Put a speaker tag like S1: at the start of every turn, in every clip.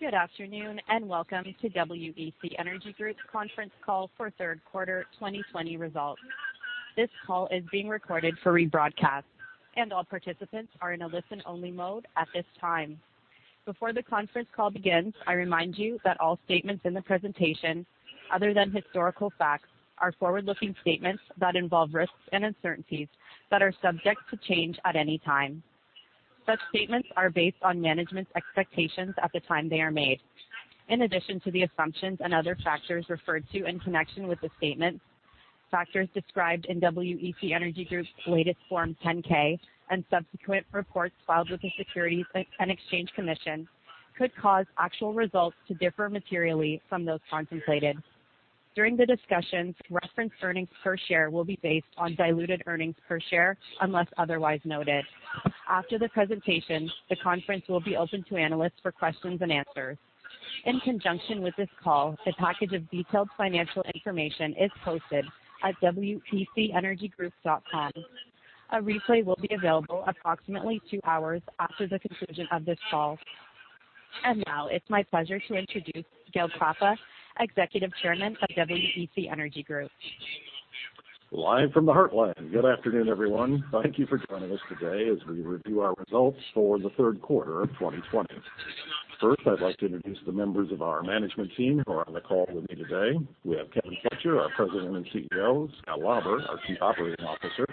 S1: Good afternoon, welcome to WEC Energy Group's Conference Call for Third Quarter 2020 Results. This call is being recorded for rebroadcast, and all participants are in a listen-only mode at this time. Before the conference call begins, I remind you that all statements in the presentation, other than historical facts, are forward-looking statements that involve risks and uncertainties that are subject to change at any time. Such statements are based on management's expectations at the time they are made. In addition to the assumptions and other factors referred to in connection with the statement, factors described in WEC Energy Group's latest Form 10-K and subsequent reports filed with the Securities and Exchange Commission could cause actual results to differ materially from those contemplated. During the discussions, referenced earnings per share will be based on diluted earnings per share unless otherwise noted. After the presentation, the conference will be open to analysts for questions-and-answers. In conjunction with this call, a package of detailed financial information is posted at wecenergygroup.com. A replay will be available approximately two hours after the conclusion of this call. Now, it's my pleasure to introduce Gale Klappa, Executive Chairman of WEC Energy Group.
S2: Live from the heartland. Good afternoon, everyone. Thank you for joining us today as we review our results for the third quarter of 2020. First, I'd like to introduce the members of our management team who are on the call with me today. We have Kevin Fletcher, our President and CEO, Scott Lauber, our Chief Operating Officer,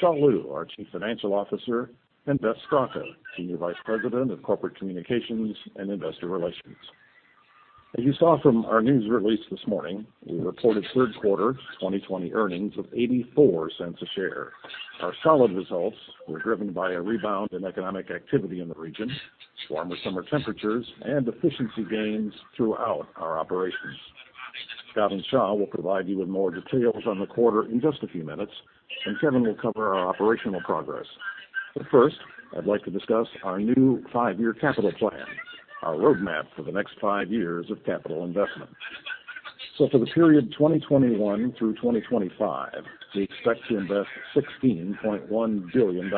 S2: Xia Liu, our Chief Financial Officer, and Beth Straka, Senior Vice President of Corporate Communications and Investor Relations. As you saw from our news release this morning, we reported third-quarter 2020 earnings of $0.84 a share. Our solid results were driven by a rebound in economic activity in the region, warmer summer temperatures, and efficiency gains throughout our operations. Scott and Xia will provide you with more details on the quarter in just a few minutes, and Kevin will cover our operational progress. First, I'd like to discuss our new five-year capital plan, our roadmap for the next five years of capital investment. For the period 2021 through 2025, we expect to invest $16.1 billion.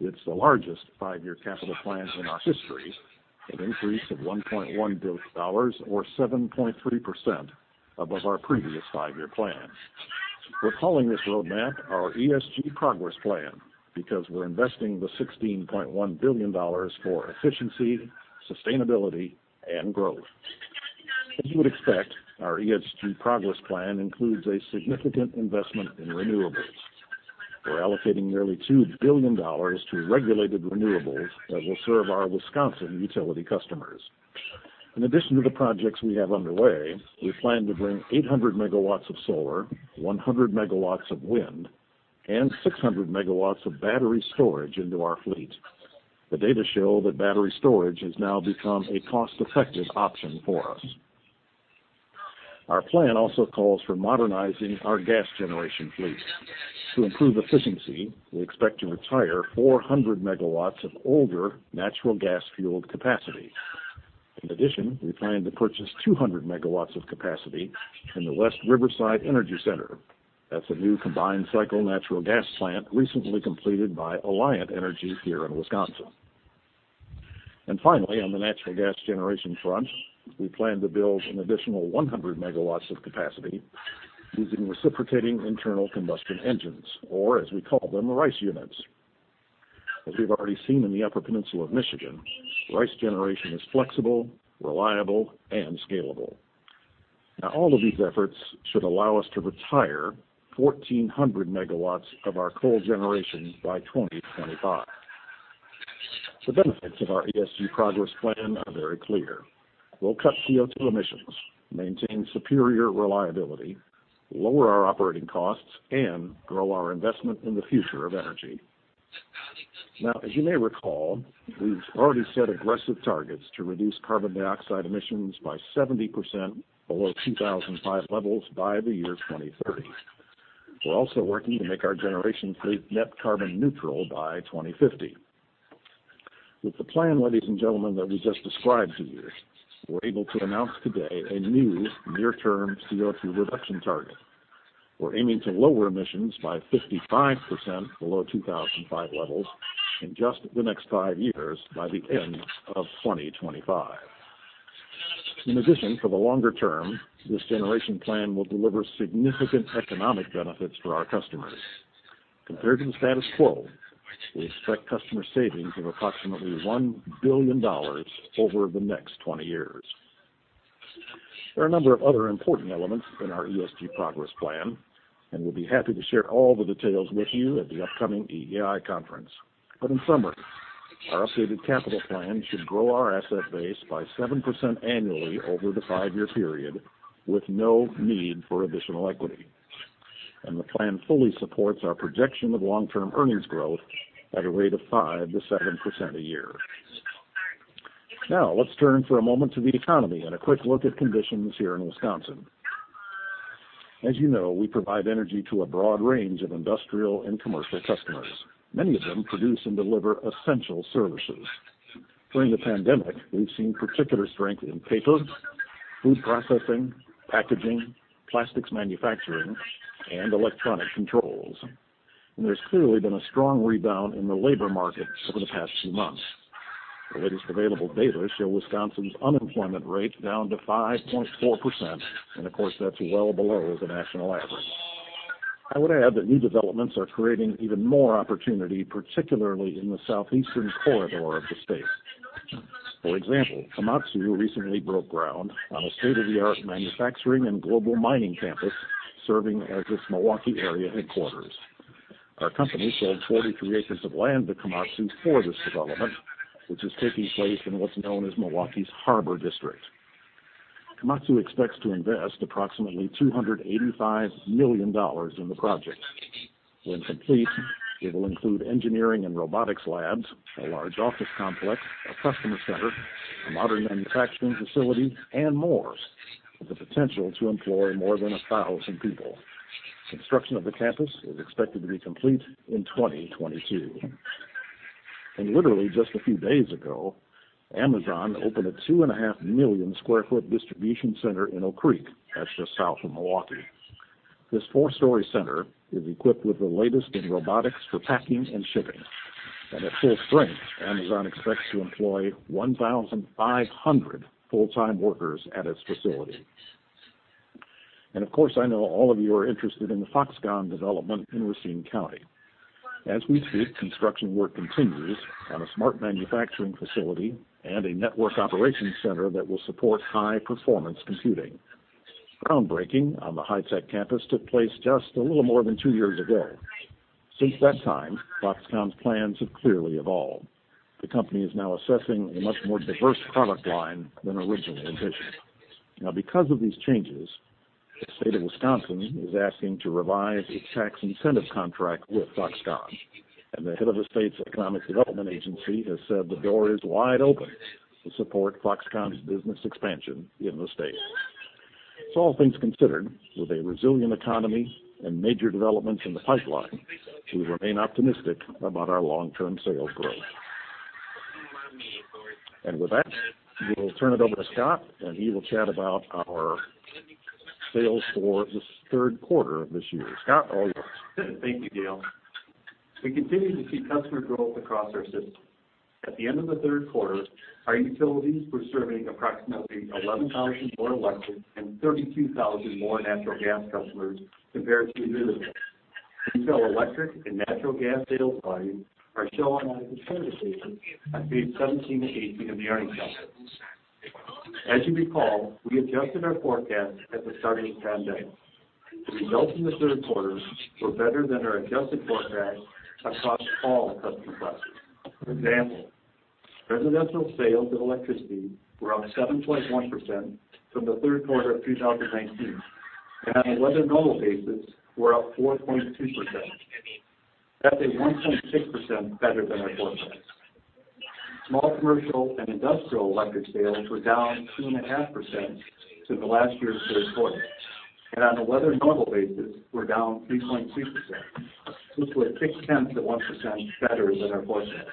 S2: It's the largest five-year capital plan in our history, an increase of $1.1 billion, or 7.3% above our previous five-year plan. We're calling this roadmap our ESG Progress Plan because we're investing the $16.1 billion for efficiency, sustainability, and growth. As you would expect, our ESG Progress Plan includes a significant investment in renewables. We're allocating nearly $2 billion to regulated renewables that will serve our Wisconsin utility customers. In addition to the projects we have underway, we plan to bring 800 MW of solar, 100 MW of wind, and 600 MW of battery storage into our fleet. The data show that battery storage has now become a cost-effective option for us. Our plan also calls for modernizing our gas generation fleet. To improve efficiency, we expect to retire 400 MW of older natural gas-fueled capacity. In addition, we plan to purchase 200 MW of capacity from the West Riverside Energy Center. That's a new combined-cycle natural gas plant recently completed by Alliant Energy here in Wisconsin. And finally, on the natural gas generation front, we plan to build an additional 100 MW of capacity using reciprocating internal combustion engines, or as we call them, RICE units. As we've already seen in the Upper Peninsula of Michigan, RICE generation is flexible, reliable, and scalable. Now, all of these efforts should allow us to retire 1,400 MW of our coal generation by 2025. The benefits of our ESG Progress Plan are very clear. We'll cut CO2 emissions, maintain superior reliability, lower our operating costs, and grow our investment in the future of energy. Now, as you may recall, we've already set aggressive targets to reduce carbon dioxide emissions by 70% below 2005 levels by the year 2030. We're also working to make our generation fleet net carbon neutral by 2050. With the plan, ladies and gentlemen, that we just described to you, we're able to announce today a new near-term CO2 reduction target. We're aiming to lower emissions by 55% below 2005 levels in just the next five years by the end of 2025. In addition, for the longer term, this generation plan will deliver significant economic benefits for our customers. Compared to the status quo, we expect customer savings of approximately $1 billion over the next 20 years. There are a number of other important elements in our ESG Progress Plan, and we'll be happy to share all the details with you at the upcoming EEI Conference. In summary, our updated capital plan should grow our asset base by 7% annually over the 5-year period with no need for additional equity. The plan fully supports our projection of long-term earnings growth at a rate of 5%-7% a year. Now, let's turn for a moment to the economy and a quick look at conditions here in Wisconsin. As you know, we provide energy to a broad range of industrial and commercial customers. Many of them produce and deliver essential services. During the pandemic, we've seen particular strength in paper, food processing, packaging, plastics manufacturing, and electronic controls. There's clearly been a strong rebound in the labor market over the past few months. The latest available data show Wisconsin's unemployment rate down to 5.4%, and of course, that's well below the national average. I would add that new developments are creating even more opportunity, particularly in the southeastern corridor of the state. For example, Komatsu recently broke ground on a state-of-the-art manufacturing and global mining campus, serving as its Milwaukee area headquarters. Our company sold 43 acres of land to Komatsu for this development, which is taking place in what's known as Milwaukee's Harbor District. Komatsu expects to invest approximately $285 million in the project. When complete, it will include engineering and robotics labs, a large office complex, a customer center, a modern manufacturing facility, and more, with the potential to employ more than 1,000 people. Construction of the campus is expected to be complete in 2022. Literally just a few days ago, Amazon opened a two and a half million square foot distribution center in Oak Creek. That's just south of Milwaukee. This four-story center is equipped with the latest in robotics for packing and shipping. At full strength, Amazon expects to employ 1,500 full-time workers at its facility. Of course, I know all of you are interested in the Foxconn development in Racine County. As we speak, construction work continues on a smart manufacturing facility and a network operations center that will support high-performance computing. Groundbreaking on the high-tech campus took place just a little more than two years ago. Since that time, Foxconn's plans have clearly evolved. The company is now assessing a much more diverse product line than originally envisioned. Because of these changes, the state of Wisconsin is asking to revise its tax incentive contract with Foxconn, and the head of the state's economic development agency has said the door is wide open to support Foxconn's business expansion in the state. All things considered, with a resilient economy and major developments in the pipeline, we remain optimistic about our long-term sales growth. With that, we will turn it over to Scott, and he will chat about our sales for this third quarter of this year. Scott, all yours.
S3: Thank you, Gale. We continue to see customer growth across our system. At the end of the third quarter, our utilities were serving approximately 11,000 more electric and 32,000 more natural gas customers compared to a year ago. Retail electric and natural gas sales volumes are shown on a comparative basis on page 17 and 18 of the earnings booklet. As you recall, we adjusted our forecast at the start of the pandemic. The results in the third quarter were better than our adjusted forecast across all customer classes. For example, residential sales of electricity were up 7.1% from the third quarter of 2019 and on a weather normal basis were up 4.2%. That's a 1.6% better than our forecast. Small commercial and industrial electric sales were down 2.5% to the last year's third quarter, and on a weather-normal basis were down 3.2%, which was a 0.6% better than our forecast.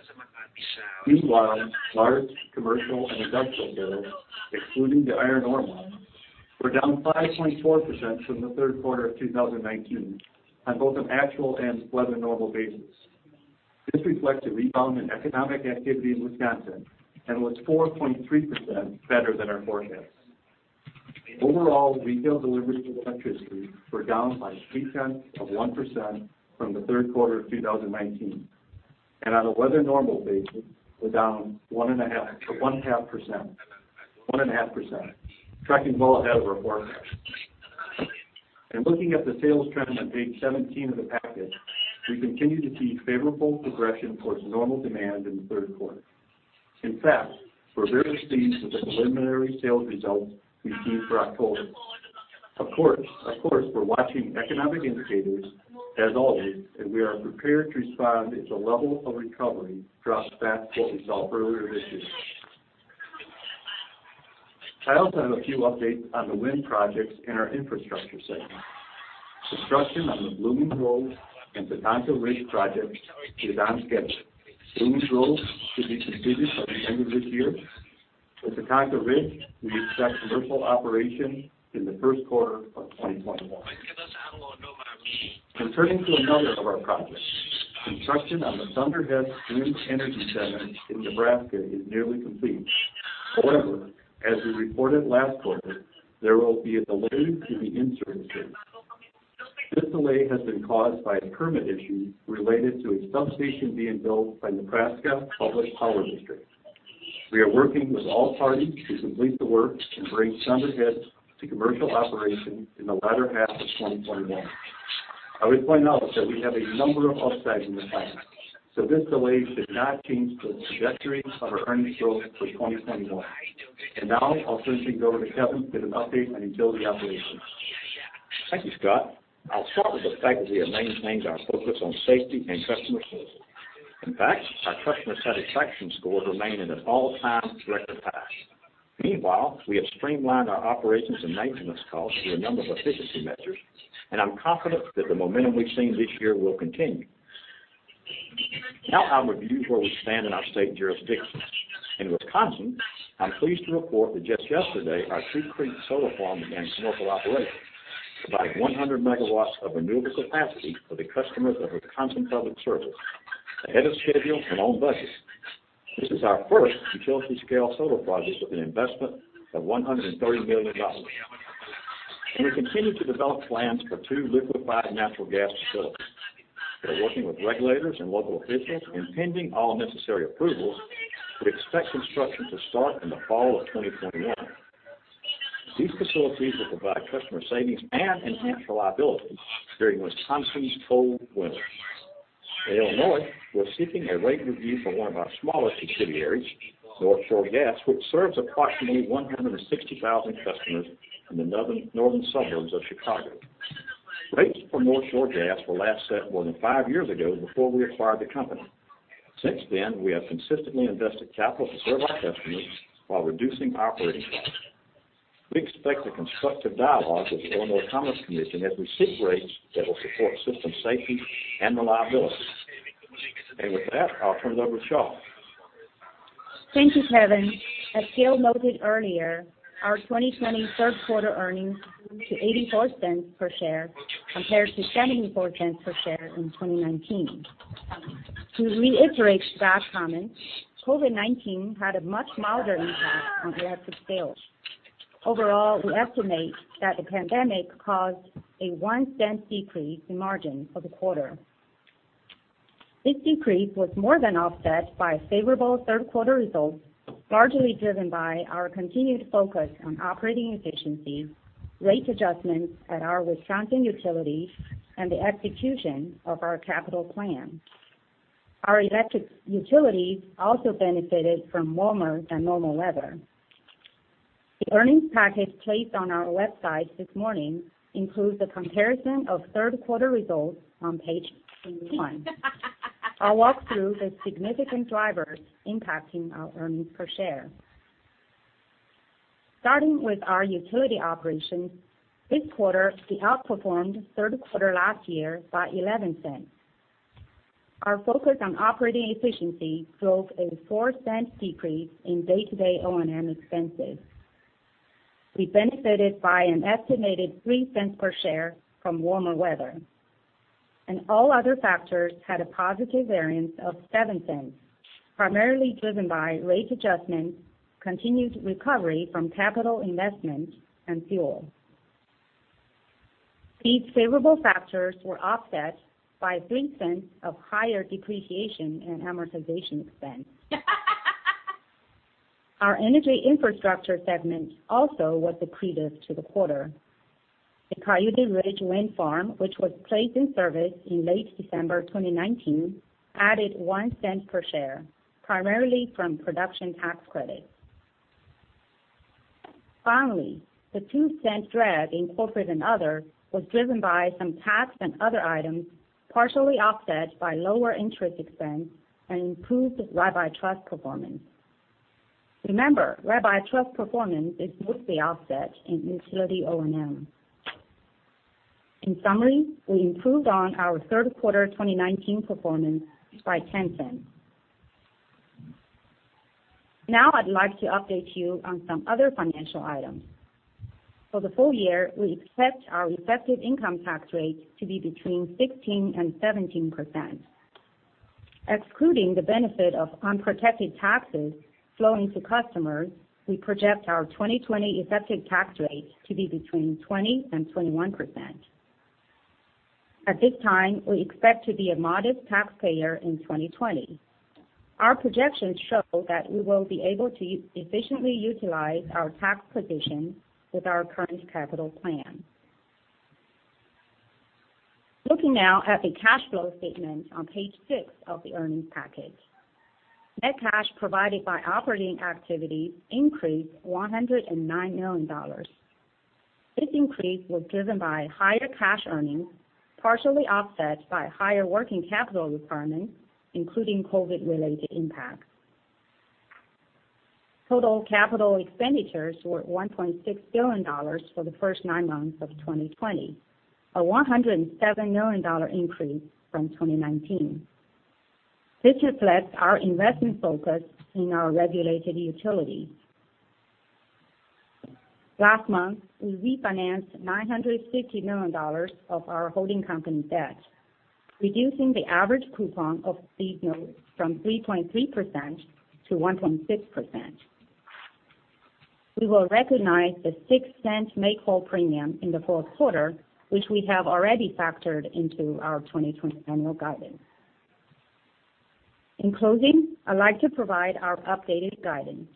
S3: Meanwhile, large commercial and industrial sales, excluding the iron ore mine, were down 5.4% from the third quarter of 2019 on both an actual and weather-normal basis. This reflects a rebound in economic activity in Wisconsin and was 4.3% better than our forecast. Overall, retail deliveries of electricity were down by 0.3% from the third quarter of 2019. On a weather-normal basis, were down 1.5%, tracking well ahead of our forecast. In looking at the sales trend on page 17 of the package, we continue to see favorable progression towards normal demand in the third quarter. In fact, we're very pleased with the preliminary sales results we've seen for October. Of course, we're watching economic indicators as always. We are prepared to respond if the level of recovery drops back to what we saw earlier this year. I also have a few updates on the wind projects in our infrastructure segment. Construction on the Blooming Grove and Tatanka Ridge projects is on schedule. Blooming Grove should be completed by the end of this year. At Tatanka Ridge, we expect commercial operation in the first quarter of 2021. Turning to another of our projects, construction on the Thunderhead Wind Energy Center in Nebraska is nearly complete. However, as we reported last quarter, there will be a delay to the in-service date. This delay has been caused by a permit issue related to a substation being built by Nebraska Public Power District. We are working with all parties to complete the work and bring Thunderhead to commercial operation in the latter half of 2021. I would point out that we have a number of upsides in the pipeline, so this delay should not change the trajectory of our earnings growth for 2021. Now I'll turn things over to Kevin to give an update on utility operations.
S4: Thank you, Scott. I'll start with the fact that we have maintained our focus on safety and customer service. In fact, our customer satisfaction scores remain at an all-time record high. Meanwhile, we have streamlined our operations and maintenance costs through a number of efficiency measures, and I'm confident that the momentum we've seen this year will continue. I'll review where we stand in our state jurisdictions. In Wisconsin, I'm pleased to report that just yesterday, our Two Creeks Solar Park began commercial operation, providing 100 MW of renewable capacity for the customers of Wisconsin Public Service, ahead of schedule and on budget. This is our first utility-scale solar project with an investment of $130 million. We continue to develop plans for two liquefied natural gas facilities. We are working with regulators and local officials, pending all necessary approvals, we expect construction to start in the fall of 2021. These facilities will provide customer savings and enhanced reliability during Wisconsin's cold winters. In Illinois, we're seeking a rate review for one of our smaller subsidiaries, North Shore Gas, which serves approximately 160,000 customers in the northern suburbs of Chicago. Rates for North Shore Gas were last set more than five years ago before we acquired the company. Since then, we have consistently invested capital to serve our customers while reducing operating costs. We expect a constructive dialogue with the Illinois Commerce Commission as we seek rates that will support system safety and reliability. With that, I'll turn it over to Xia.
S5: Thank you, Kevin. As Gale noted earlier, our 2020 third quarter earnings to $0.84 per share compared to $0.74 per share in 2019. To reiterate Scott's comments, COVID-19 had a much milder impact on WEC's sales. Overall, we estimate that the pandemic caused a $0.01 decrease in margin for the quarter. This decrease was more than offset by favorable third-quarter results, largely driven by our continued focus on operating efficiencies, rate adjustments at our Wisconsin utilities, and the execution of our capital plan. Our electric utilities also benefited from warmer-than-normal weather. The earnings package placed on our website this morning includes a comparison of third-quarter results on page 21. I'll walk through the significant drivers impacting our earnings per share. Starting with our utility operations, this quarter, we outperformed the third quarter last year by $0.11. Our focus on operating efficiency drove a $0.04 decrease in day-to-day O&M expenses. We benefited by an estimated $0.03 per share from warmer weather, and all other factors had a positive variance of $0.07, primarily driven by rate adjustments, continued recovery from capital investment, and fuel. These favorable factors were offset by $0.03 of higher depreciation and amortization expense. Our energy infrastructure segment also was accretive to the quarter. The Coyote Ridge Wind Farm, which was placed in service in late December 2019, added $0.01 per share, primarily from production tax credits. Finally, the $0.02 drag in corporate and other was driven by some tax and other items, partially offset by lower interest expense and improved rabbi trust performance. Remember, rabbi trust performance is mostly offset in utility O&M. In summary, we improved on our third quarter 2019 performance by $0.10. Now I'd like to update you on some other financial items. For the full year, we expect our effective income tax rate to be between 16% and 17%. Excluding the benefit of unprotected taxes flowing to customers, we project our 2020 effective tax rate to be between 20% and 21%. At this time, we expect to be a modest taxpayer in 2020. Our projections show that we will be able to efficiently utilize our tax position with our current capital plan. Looking now at the cash flow statement on page six of the earnings package. Net cash provided by operating activities increased $109 million. This increase was driven by higher cash earnings, partially offset by higher working capital requirements, including COVID-related impacts. Total capital expenditures were $1.6 billion for the first nine months of 2020, a $107 million increase from 2019. This reflects our investment focus in our regulated utilities. Last month, we refinanced $950 million of our holding company debt, reducing the average coupon of these notes from 3.3% to 1.6%. We will recognize the $0.06 make-whole premium in the fourth quarter, which we have already factored into our 2020 annual guidance. In closing, I'd like to provide our updated guidance.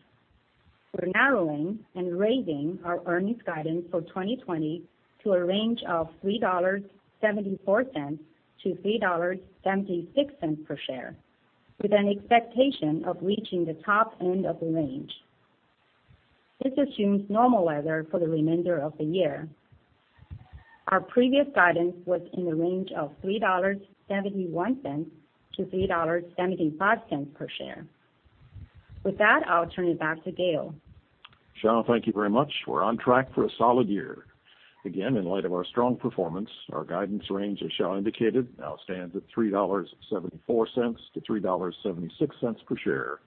S5: We're narrowing and raising our earnings guidance for 2020 to a range of $3.74-$3.76 per share, with an expectation of reaching the top end of the range. This assumes normal weather for the remainder of the year. Our previous guidance was in the range of $3.71-$3.75 per share. With that, I'll turn it back to Gale.
S2: Xia, thank you very much. We're on track for a solid year. Again, in light of our strong performance, our guidance range, as Xia indicated, now stands at $3.74-$3.76 per share,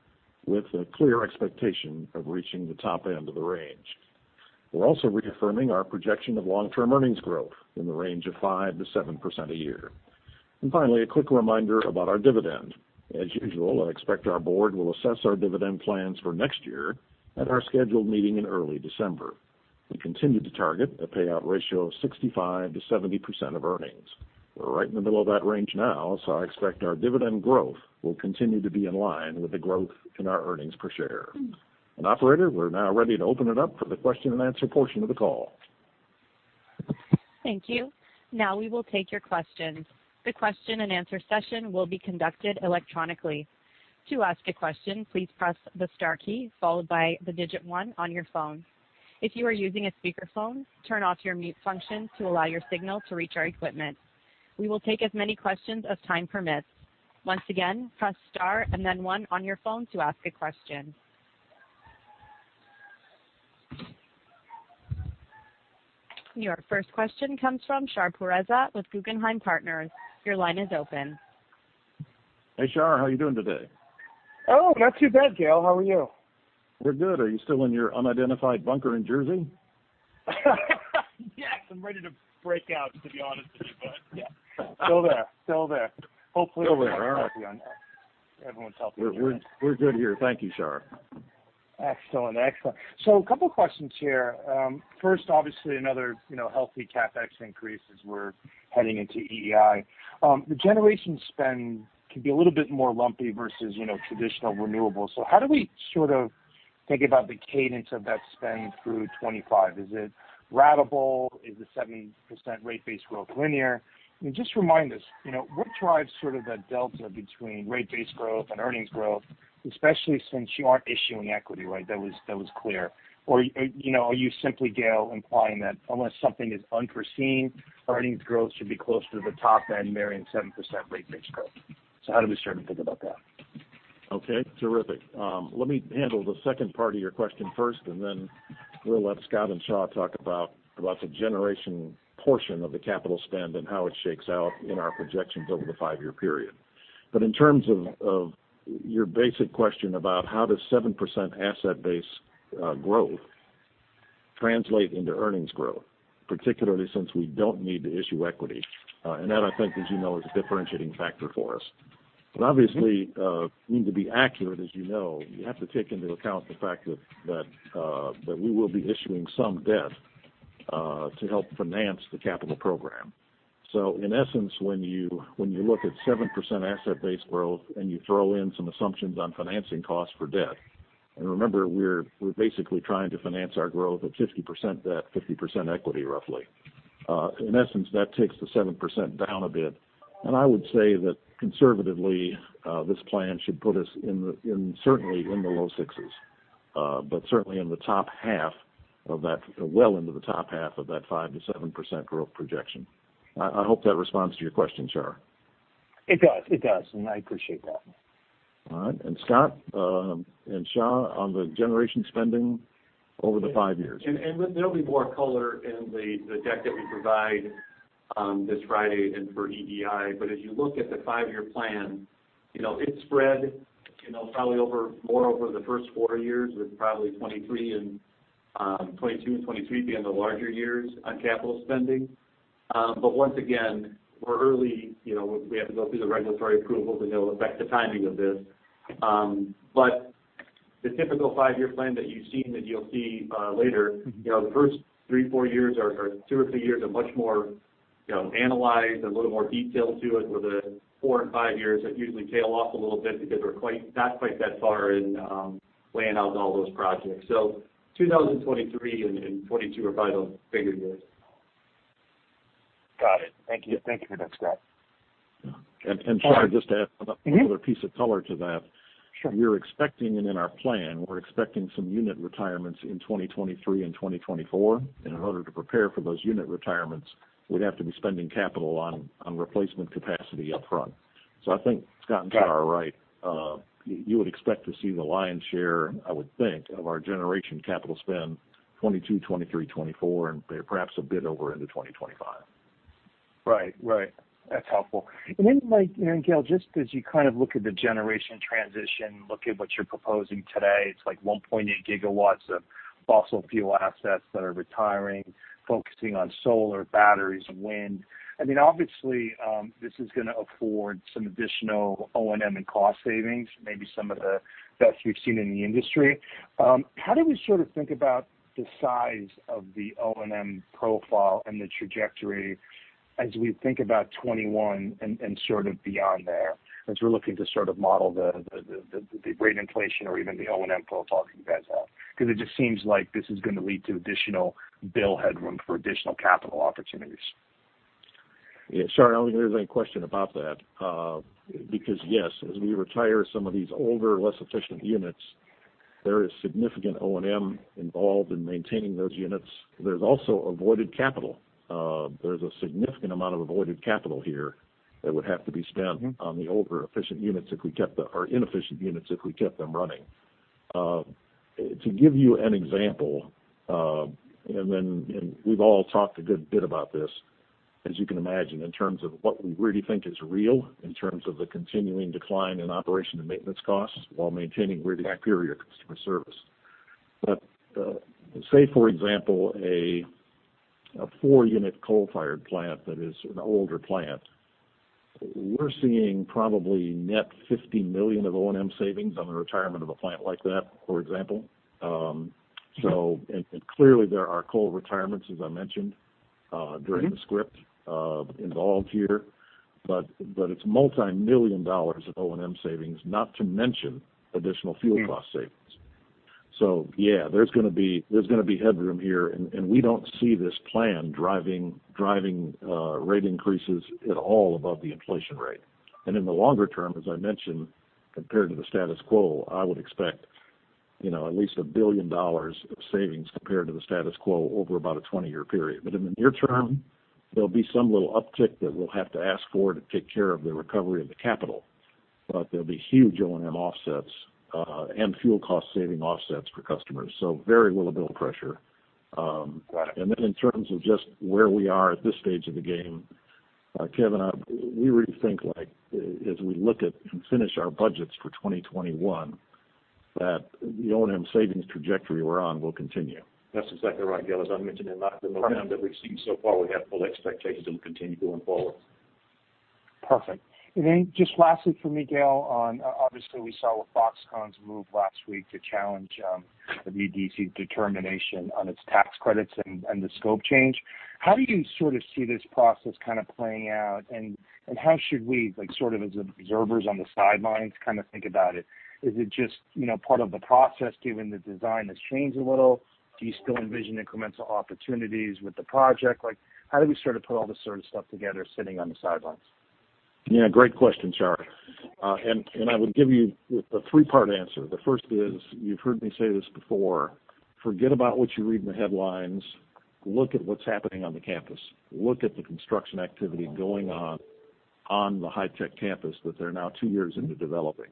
S2: with a clear expectation of reaching the top end of the range. We're also reaffirming our projection of long-term earnings growth in the range of 5%-7% a year. Finally, a quick reminder about our dividend. As usual, I expect our board will assess our dividend plans for next year at our scheduled meeting in early December. We continue to target a payout ratio of 65%-70% of earnings. We're right in the middle of that range now, so I expect our dividend growth will continue to be in line with the growth in our earnings per share. Operator, we're now ready to open it up for the question and answer portion of the call.
S1: Thank you. Now we will take your questions. The question and answer session will be conducted electronically. To ask a question, please press the star key followed by the digit 1 on your phone. If you are using a speakerphone, turn off your mute function to allow your signal to reach our equipment. We will take as many questions as time permits. Once again, press star and then one on your phone to ask a question. Your first question comes from Shar Pourreza with Guggenheim Partners. Your line is open.
S2: Hey, Shar. How are you doing today?
S6: Oh, not too bad, Gale. How are you?
S2: We're good. Are you still in your unidentified bunker in Jersey?
S6: Yes. I'm ready to break out, to be honest with you. Yeah, still there everyone's healthy.
S2: We're good here. Thank you, Shar.
S6: Excellent. A couple questions here. First, obviously, another healthy CapEx increase as we're heading into EEI. The generation spend can be a little bit more lumpy versus traditional renewables. How do we think about the cadence of that spend through 2025? Is it ratable? Is the 70% rate-based growth linear? Just remind us, what drives sort of the delta between rate-based growth and earnings growth, especially since you aren't issuing equity, right? That was clear. Are you simply, Gale, implying that unless something is unforeseen, earnings growth should be closer to the top end marrying 7% rate-based growth? How do we start to think about that?
S2: Okay, terrific. Let me handle the second part of your question first, and then we'll let Scott and Xia talk about the generation portion of the capital spend and how it shakes out in our projections over the five-year period. In terms of your basic question about how does 7% asset-based growth translate into earnings growth, particularly since we don't need to issue equity. That I think, as you know, is a differentiating factor for us. We obviously need to be accurate, as you know. You have to take into account the fact that we will be issuing some debt to help finance the capital program. In essence, when you look at 7% asset-based growth and you throw in some assumptions on financing costs for debt, and remember, we're basically trying to finance our growth at 50% debt, 50% equity, roughly. In essence, that takes the 7% down a bit. I would say that conservatively, this plan should put us certainly in the low sixes. Certainly well into the top half of that 5%-7% growth projection. I hope that responds to your question, Shar.
S6: It does, and I appreciate that.
S2: All right. Scott and Xia, on the generation spending over the five years.
S3: There'll be more color in the deck that we provide this Friday and for EEI. As you look at the five-year plan, it's spread probably more over the first four years, with probably 2022 and 2023 being the larger years on capital spending. Once again, we're early. We have to go through the regulatory approvals, and it'll affect the timing of this. The typical five-year plan that you've seen, that you'll see later, the first two or three years are much more analyzed, a little more detail to it. With the four and five years, that usually tail off a little bit because we're not quite that far in laying out all those projects. 2023 and 2022 are probably the bigger years.
S6: Got it. Thank you for that, Scott.
S2: Shar, just to add another piece of color to that. We're expecting, in our plan, we're expecting some unit retirements in 2023 and 2024. In order to prepare for those unit retirements, we'd have to be spending capital on replacement capacity upfront. I think Scott and Xia are right. You would expect to see the lion's share, I would think, of our generation capital spend 2022, 2023, 2024, and perhaps a bit over into 2025.
S6: Right. That's helpful. Then, Gale, just as you kind of look at the generation transition, look at what you're proposing today. It's like 1.8 gigawatts of fossil fuel assets that are retiring, focusing on solar, batteries, and wind. Obviously, this is going to afford some additional O&M and cost savings, maybe some of the best we've seen in the industry. How do we sort of think about the size of the O&M profile and the trajectory as we think about 2021 and sort of beyond there, as we're looking to sort of model the rate inflation or even the O&M profile talking to you guys about? It just seems like this is going to lead to additional bill headroom for additional capital opportunities.
S2: Yeah. Shar, I don't think there's any question about that. Because yes, as we retire some of these older, less efficient units, there is significant O&M involved in maintaining those units. There's also avoided capital. There's a significant amount of avoided capital here that would have to be spent on the over-efficient units if we kept or inefficient units, if we kept them running. To give you an example, and we've all talked a good bit about this, as you can imagine, in terms of what we really think is real, in terms of the continuing decline in operation and maintenance costs while maintaining really superior customer service. Say, for example, a 4-unit coal-fired plant that is an older plant. We're seeing probably net $50 million of O&M savings on the retirement of a plant like that, for example. Clearly there are coal retirements, as I mentioned during the script, involved here. It's multimillion dollars of O&M savings, not to mention additional fuel cost savings. Yeah, there's going to be headroom here, and we don't see this plan driving rate increases at all above the inflation rate. In the longer term, as I mentioned, compared to the status quo, I would expect at least $1 billion of savings compared to the status quo over about a 20-year period. In the near term, there'll be some little uptick that we'll have to ask for to take care of the recovery of the capital. There'll be huge O&M offsets, and fuel cost saving offsets for customers, very little bill pressure.
S6: Got it.
S2: In terms of just where we are at this stage of the game, Kevin, we really think like as we look at and finish our budgets for 2021, that the O&M savings trajectory we're on will continue.
S4: That's exactly right, Gale. As I mentioned in the lockdown that we've seen so far, we have full expectations it will continue going forward.
S6: Perfect. Then just lastly for me, Gale, on obviously we saw Foxconn's move last week to challenge the WEDC determination on its tax credits and the scope change. How do you sort of see this process kind of playing out, and how should we like sort of as observers on the sidelines kind of think about it? Is it just part of the process given the design has changed a little? Do you still envision incremental opportunities with the project? Like how do we sort of put all this sort of stuff together sitting on the sidelines?
S2: Yeah, great question, Shar. I would give you a three-part answer. The first is, you've heard me say this before, forget about what you read in the headlines. Look at what's happening on the campus. Look at the construction activity going on the high-tech campus that they're now two years into developing.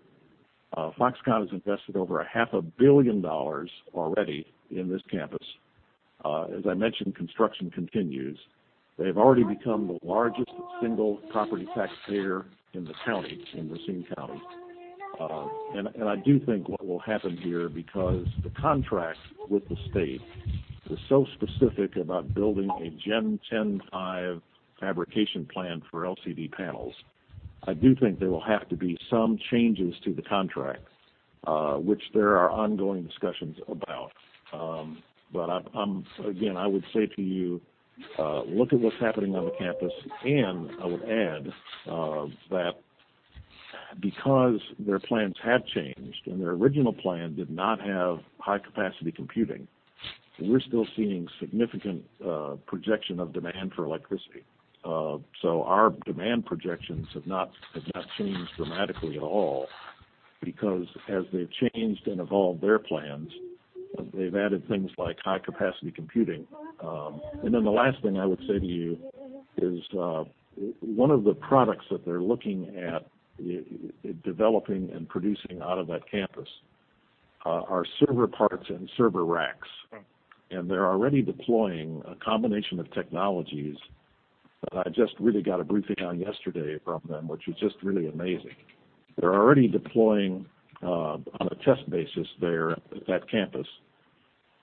S2: Foxconn has invested over a half a billion dollars already in this campus. As I mentioned, construction continues. They've already become the largest single property taxpayer in the county, in Racine County. I do think what will happen here, because the contract with the state is so specific about building a Gen 10.5 fabrication plant for LCD panels, I do think there will have to be some changes to the contract, which there are ongoing discussions about. Again, I would say to you, look at what's happening on the campus, and I would add that because their plans have changed and their original plan did not have high-capacity computing, we're still seeing significant projection of demand for electricity. Our demand projections have not changed dramatically at all because as they've changed and evolved their plans, they've added things like high-capacity computing. The last thing I would say to you is one of the products that they're looking at developing and producing out of that campus are server parts and server racks. They're already deploying a combination of technologies that I just really got a briefing on yesterday from them, which is just really amazing. They're already deploying on a test basis there at that campus,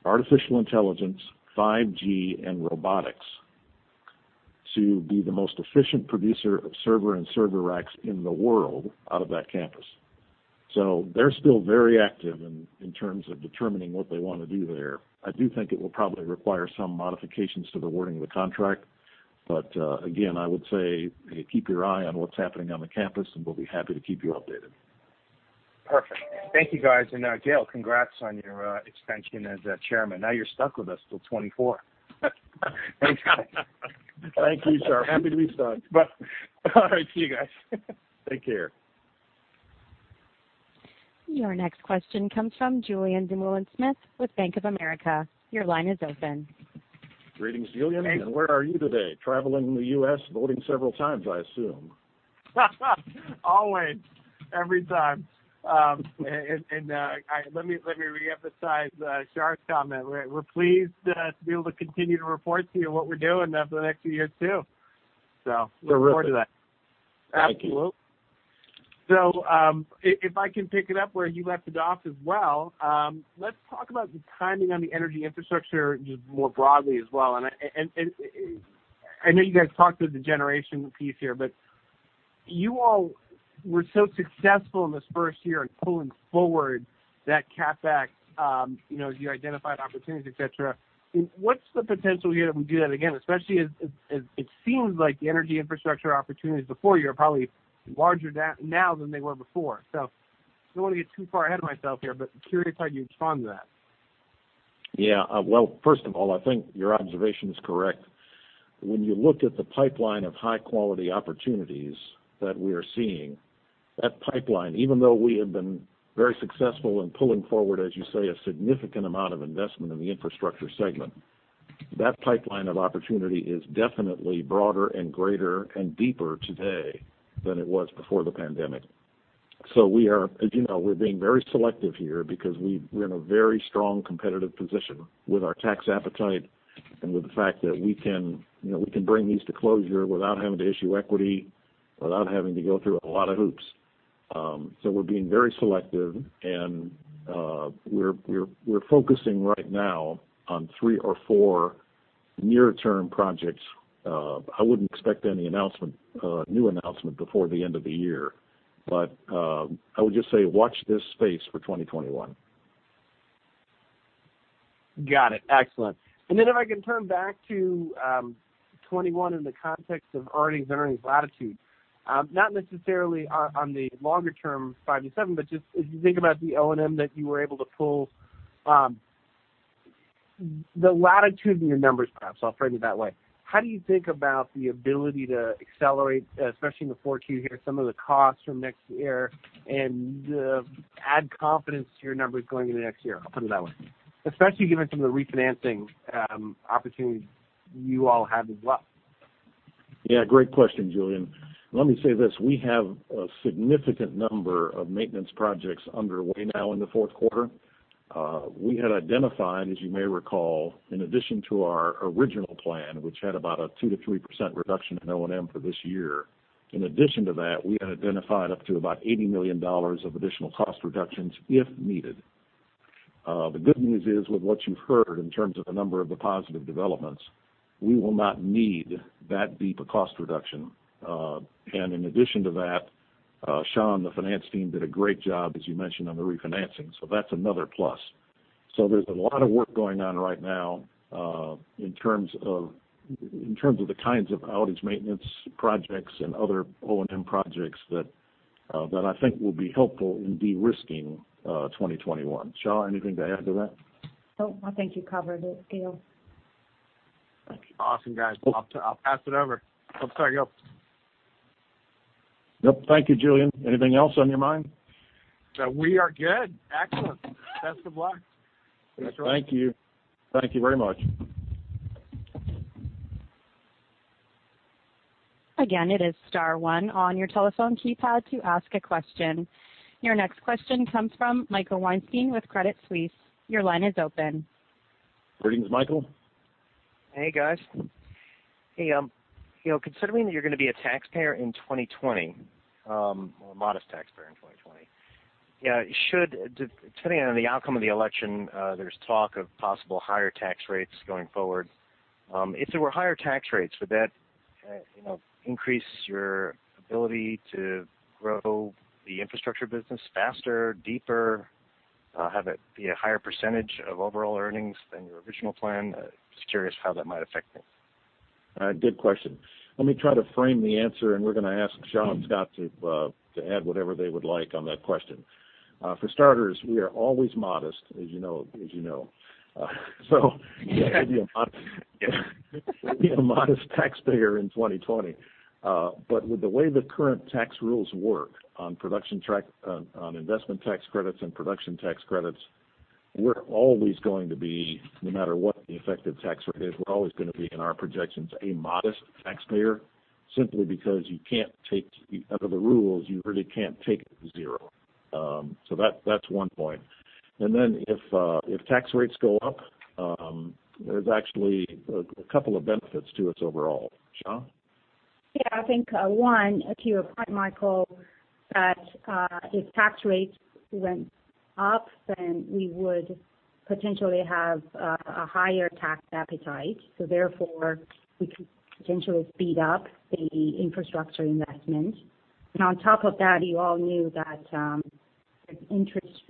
S2: artificial intelligence, 5G, and robotics to be the most efficient producer of server and server racks in the world out of that campus. They're still very active in terms of determining what they want to do there. I do think it will probably require some modifications to the wording of the contract, again, I would say keep your eye on what's happening on the campus, and we'll be happy to keep you updated.
S6: Perfect. Thank you, guys. Gale, congrats on your extension as Chairman. Now you're stuck with us till 2024.
S2: Thank you. Thank you, sir. Happy to be stuck.
S6: All right. See you guys.
S2: Take care.
S1: Your next question comes from Julien Dumoulin-Smith with Bank of America. Your line is open.
S2: Greetings, Julien. Where are you today? Traveling the U.S. voting several times, I assume.
S7: Always. Every time. Let me reemphasize Shar's comment. We're pleased to be able to continue to report to you on what we're doing over the next few years too. Look forward to that. Thank you. Absolutely. If I can pick it up where you left it off as well, let's talk about the timing on the energy infrastructure just more broadly as well. I know you guys talked to the generation piece here, but you all were so successful in this first year in pulling forward that CapEx as you identified opportunities, et cetera. What's the potential here that we do that again? Especially as it seems like the energy infrastructure opportunities before you are probably larger now than they were before. I don't want to get too far ahead of myself here, but curious how you'd respond to that.
S2: Yeah. Well, first of all, I think your observation is correct. When you look at the pipeline of high-quality opportunities that we are seeing, that pipeline, even though we have been very successful in pulling forward, as you say, a significant amount of investment in the infrastructure segment, that pipeline of opportunity is definitely broader and greater and deeper today than it was before the pandemic. We are, as you know, being very selective here because we're in a very strong competitive position with our tax appetite and with the fact that we can bring these to closure without having to issue equity, without having to go through a lot of hoops. We're being very selective and we're focusing right now on three or four near-term projects. I wouldn't expect any new announcement before the end of the year. I would just say watch this space for 2021.
S7: Got it. Excellent. If I can turn back to 2021 in the context of earnings latitude. Not necessarily on the longer-term 5-7, just as you think about the O&M that you were able to pull, the latitude in your numbers, perhaps I'll frame it that way. How do you think about the ability to accelerate, especially in the 4Q here, some of the costs from next year and add confidence to your numbers going into next year? I'll put it that way, especially given some of the refinancing opportunities you all have as well.
S2: Yeah. Great question, Julien. Let me say this, we have a significant number of maintenance projects underway now in the fourth quarter. We had identified, as you may recall, in addition to our original plan, which had about a 2%-3% reduction in O&M for this year, in addition to that, we had identified up to about $80 million of additional cost reductions if needed. The good news is with what you've heard in terms of a number of the positive developments, we will not need that deep a cost reduction. In addition to that, Xia, on the finance team did a great job, as you mentioned, on the refinancing. That's another plus. There's a lot of work going on right now in terms of the kinds of outage maintenance projects and other O&M projects that I think will be helpful in de-risking 2021. Xia, anything to add to that?
S5: No, I think you covered it, Gale.
S7: Awesome, guys. I'll pass it over. I'm sorry, go.
S2: Yep. Thank you, Julien. Anything else on your mind?
S7: We are good. Excellent. Best of luck.
S2: Thank you. Thank you very much.
S1: Again, it is star one on your telephone keypad to ask a question. Your next question comes from Michael Weinstein with Credit Suisse. Your line is open.
S2: Greetings, Michael.
S8: Hey, guys. Hey, considering that you're going to be a taxpayer in 2020, or a modest taxpayer in 2020, depending on the outcome of the election, there's talk of possible higher tax rates going forward. If there were higher tax rates, would that increase your ability to grow the infrastructure business faster, deeper, have it be a higher percentage of overall earnings than your original plan? Just curious how that might affect things.
S2: Good question. Let me try to frame the answer, and we're going to ask Xia and Scott to add whatever they would like on that question. For starters, we are always modest, as you know. Be a modest taxpayer in 2020. With the way the current tax rules work on investment tax credits and production tax credits, no matter what the effective tax rate is, we're always going to be, in our projections, a modest taxpayer simply because under the rules, you really can't take it to zero. That's one point. Then if tax rates go up, there's actually a couple of benefits to us overall. Xia?
S5: I think one, to your point, Michael, that if tax rates went up, then we would potentially have a higher tax appetite, so therefore we could potentially speed up the infrastructure investment. On top of that, you all knew that the interest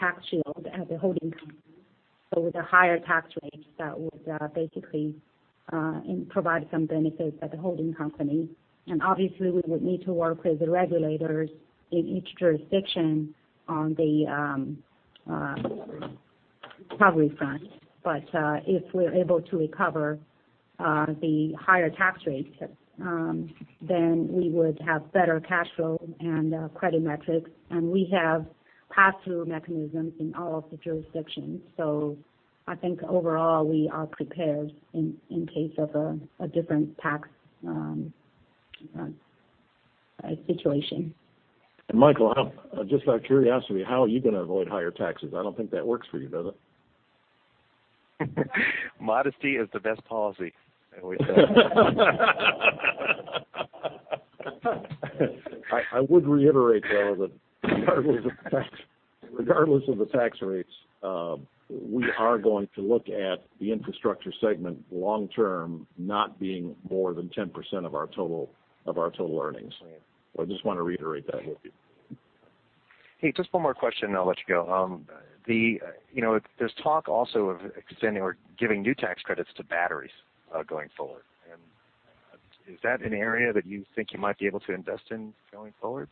S5: tax shield at the holding company. Obviously we would need to work with the regulators in each jurisdiction on the recovery front. If we're able to recover the higher tax rates, then we would have better cash flow and credit metrics, and we have pass-through mechanisms in all of the jurisdictions. I think overall we are prepared in case of a different tax situation.
S2: Michael, just out of curiosity, how are you going to avoid higher taxes? I don't think that works for you, does it?
S8: Modesty is the best policy, I always say.
S2: I would reiterate, though, that regardless of the tax rates, we are going to look at the infrastructure segment long-term, not being more than 10% of our total earnings. I just want to reiterate that with you.
S8: Hey, just one more question and I'll let you go. There's talk also of extending or giving new tax credits to batteries going forward. Is that an area that you think you might be able to invest in going forward?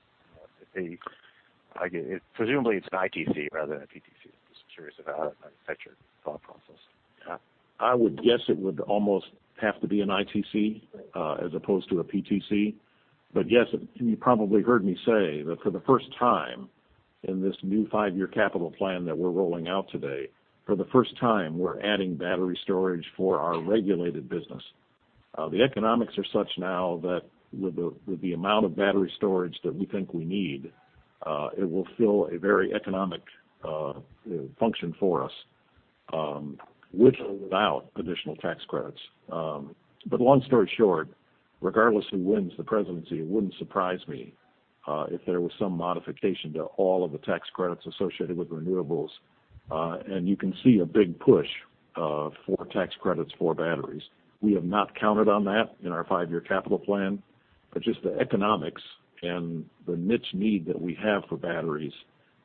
S8: Presumably it's an ITC rather than a PTC. I'm just curious about it and I expect your thought process.
S2: I would guess it would almost have to be an ITC as opposed to a PTC. Yes, you probably heard me say that for the first time in this new five-year capital plan that we're rolling out today, for the first time, we're adding battery storage for our regulated business. The economics are such now that with the amount of battery storage that we think we need, it will fill a very economic function for us, with or without additional tax credits. Long story short, regardless of who wins the presidency, it wouldn't surprise me if there was some modification to all of the tax credits associated with renewables. You can see a big push for tax credits for batteries. We have not counted on that in our five-year capital plan, just the economics and the niche need that we have for batteries,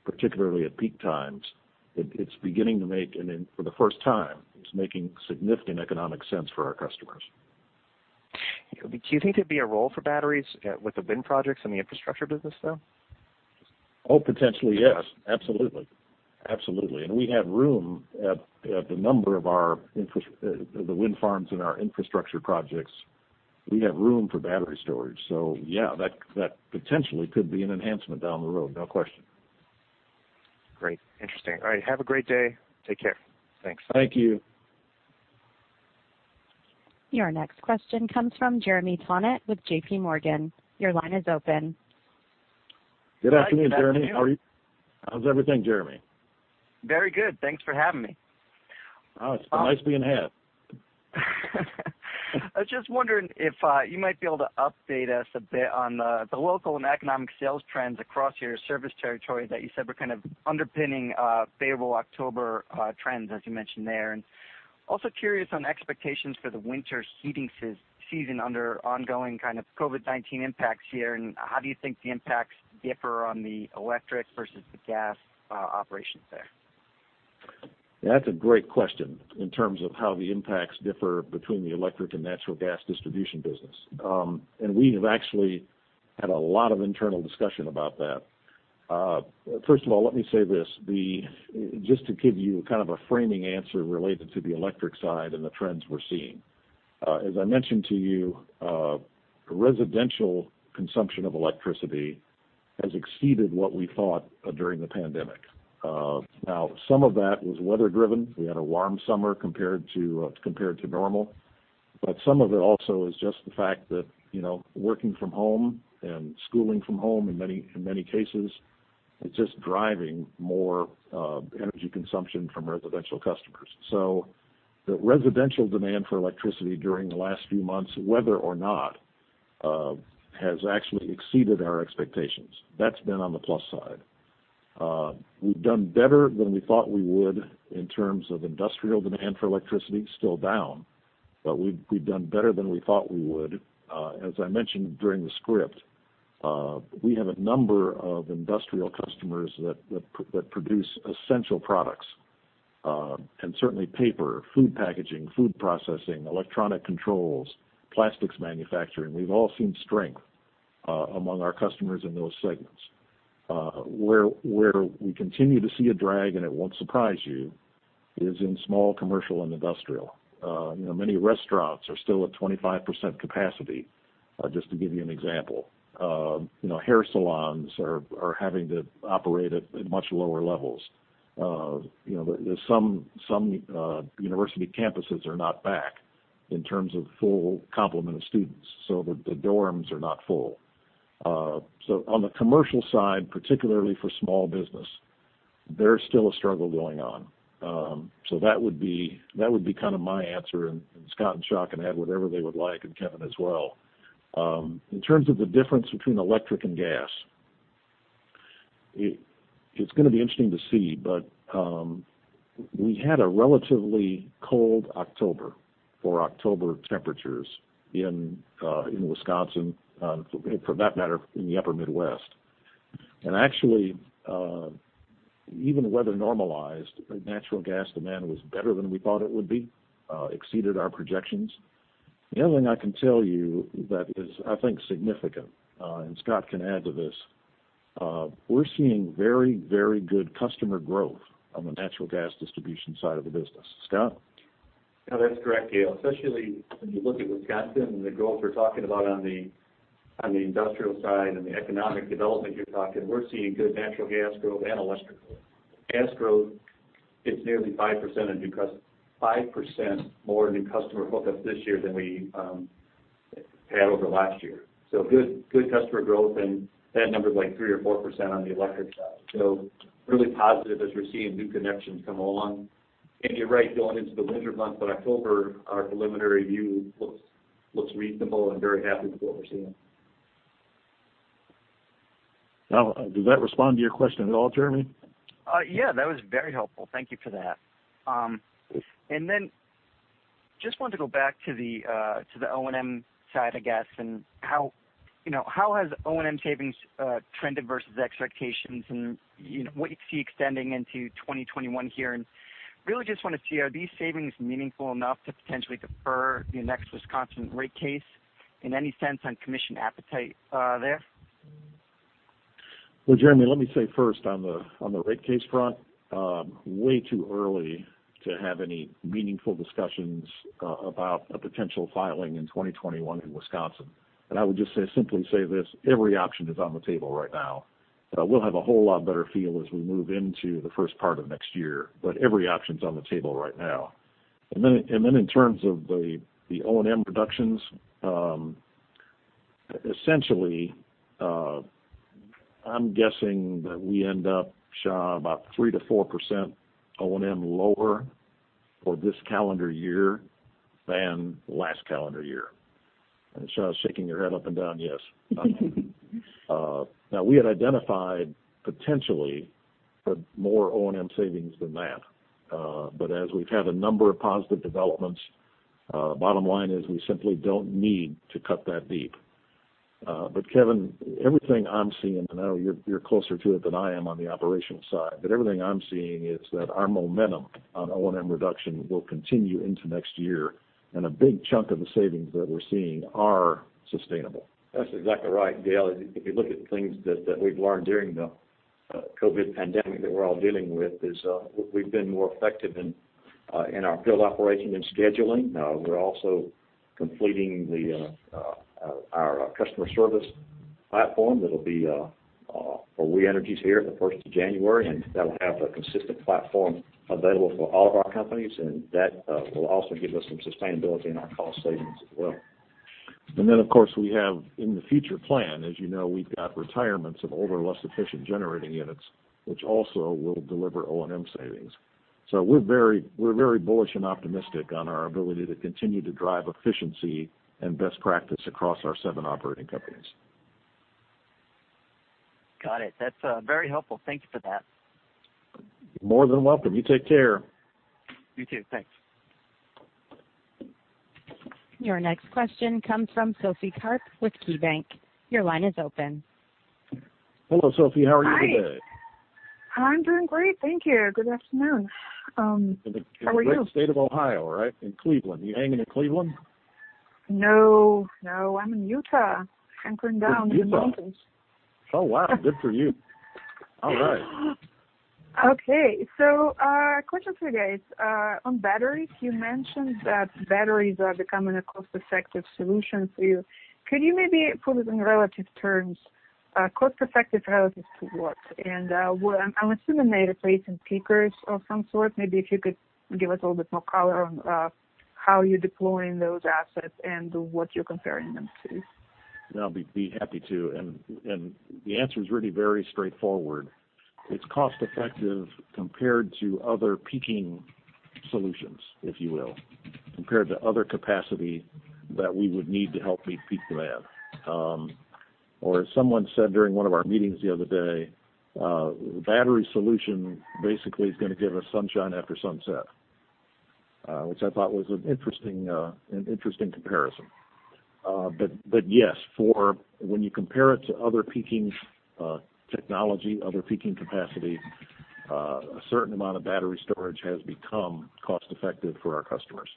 S2: particularly at peak times, for the first time, it's making significant economic sense for our customers.
S8: Do you think there'd be a role for batteries with the wind projects and the infrastructure business, though?
S2: Potentially, yes. Absolutely. We have room at the number of our wind farms and our infrastructure projects. We have room for battery storage. Yeah, that potentially could be an enhancement down the road, no question.
S8: Great. Interesting. All right. Have a great day. Take care. Thanks.
S2: Thank you.
S1: Your next question comes from Jeremy Tonet with JPMorgan. Your line is open.
S2: Good afternoon, Jeremy. How are you? How's everything, Jeremy?
S9: Very good. Thanks for having me.
S2: Oh, it's nice being had.
S9: I was just wondering if you might be able to update us a bit on the local and economic sales trends across your service territory that you said were underpinning favorable October trends, as you mentioned there. Also curious on expectations for the winter heating season under ongoing COVID-19 impacts here, and how do you think the impacts differ on the electric versus the gas operations there?
S2: That's a great question in terms of how the impacts differ between the electric and natural gas distribution business. We have actually had a lot of internal discussion about that. First of all, let me say this, just to give you a framing answer related to the electric side and the trends we're seeing. As I mentioned to you, residential consumption of electricity has exceeded what we thought during the pandemic. Now, some of that was weather driven. We had a warm summer compared to normal. Some of it also is just the fact that working from home and schooling from home in many cases, it's just driving more energy consumption from residential customers. The residential demand for electricity during the last few months, whether or not, has actually exceeded our expectations. That's been on the plus side. We've done better than we thought we would in terms of industrial demand for electricity. Still down, we've done better than we thought we would. As I mentioned during the script, we have a number of industrial customers that produce essential products, certainly paper, food packaging, food processing, electronic controls, plastics manufacturing. We've all seen strength among our customers in those segments. Where we continue to see a drag, it won't surprise you, is in small commercial and industrial. Many restaurants are still at 25% capacity, just to give you an example. Hair salons are having to operate at much lower levels. Some university campuses are not back in terms of full complement of students, so the dorms are not full. On the commercial side, particularly for small business, there's still a struggle going on. That would be my answer, and Scott and Xia can add whatever they would like, and Kevin as well. In terms of the difference between electric and gas, it's going to be interesting to see, but we had a relatively cold October for October temperatures in Wisconsin, for that matter, in the upper Midwest. Actually, even weather normalized, natural gas demand was better than we thought it would be, exceeded our projections. The other thing I can tell you that is, I think, significant, and Scott can add to this, we're seeing very, very good customer growth on the natural gas distribution side of the business. Scott?
S3: No, that's correct, Gale. Especially when you look at Wisconsin and the growth we're talking about on the industrial side and the economic development you're talking, we're seeing good natural gas growth and electric growth. Gas growth, it's nearly 5% more new customer hookups this year than we had over last year. Good customer growth and that number is like 3% or 4% on the electric side. Really positive as we're seeing new connections come along. You're right, going into the winter months and October, our preliminary view looks reasonable, and very happy with what we're seeing.
S2: Now, does that respond to your question at all, Jeremy?
S9: Yeah. That was very helpful. Thank you for that. Just wanted to go back to the O&M side, I guess, and how has O&M savings trended versus expectations, and what do you see extending into 2021 here? Really just want to see, are these savings meaningful enough to potentially defer the next Wisconsin rate case in any sense on commission appetite there?
S2: Well, Jeremy, let me say first on the rate case front, way too early to have any meaningful discussions about a potential filing in 2021 in Wisconsin. I would just simply say this, every option is on the table right now. We'll have a whole lot better feel as we move into the first part of next year. Every option is on the table right now. In terms of the O&M reductions, essentially, I'm guessing that we end up, Xia, about 3%-4% O&M lower for this calendar year than last calendar year. Xia is shaking her head up and down yes. Now, we had identified potentially more O&M savings than that. As we've had a number of positive developments, bottom line is we simply don't need to cut that deep. Kevin, everything I'm seeing, I know you're closer to it than I am on the operational side, but everything I'm seeing is that our momentum on O&M reduction will continue into next year, and a big chunk of the savings that we're seeing are sustainable.
S4: That's exactly right, Gale. If you look at the things that we've learned during the COVID pandemic that we're all dealing with is, we've been more effective in our field operation and scheduling. We're also completing our customer service platform that'll be for We Energies here at the first of January. That'll have a consistent platform available for all of our companies. That will also give us some sustainability in our cost savings as well.
S2: Of course, we have in the future plan, as you know, we've got retirements of older, less efficient generating units, which also will deliver O&M savings. We're very bullish and optimistic on our ability to continue to drive efficiency and best practice across our seven operating companies.
S9: Got it. That's very helpful. Thank you for that.
S2: More than welcome. You take care.
S9: You too. Thanks.
S1: Your next question comes from Sophie Karp with KeyBank. Your line is open.
S2: Hello, Sophie, how are you today?
S10: Hi. I'm doing great. Thank you. Good afternoon. How are you?
S2: In the great state of Ohio, right? In Cleveland. You hanging in Cleveland?
S10: No. I'm in Utah, anchoring down in the mountains.
S2: Oh, wow, good for you. All right.
S10: Okay. A question for you guys. On batteries, you mentioned that batteries are becoming a cost-effective solution for you. Could you maybe put it in relative terms, cost-effective relative to what? I'm assuming they replace some peakers of some sort. Maybe if you could give us a little bit more color on how you're deploying those assets and what you're comparing them to.
S2: I'll be happy to. The answer is really very straightforward. It's cost effective compared to other peaking solutions, if you will, compared to other capacity that we would need to help meet peak demand. As someone said during one of our meetings the other day, the battery storage basically is going to give us sunshine after sunset, which I thought was an interesting comparison. Yes, when you compare it to other peaking technology, other peaking capacity, a certain amount of battery storage has become cost effective for our customers.